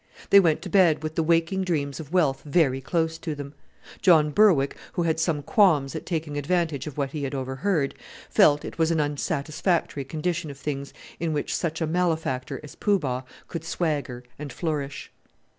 They went to bed with the waking dreams of wealth very close to them. John Berwick, who had some qualms at taking advantage of what he had overheard, felt it was an unsatisfactory condition of things in which such a malefactor as Poo Bah could swagger and flourish.